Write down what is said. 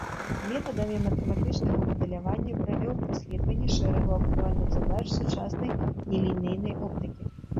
Метадамі матэматычнага мадэлявання правёў даследаванні шэрагу актуальных задач сучаснай нелінейнай оптыкі.